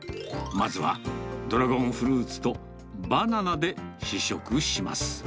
まずはドラゴンフルーツとバナナで試食します。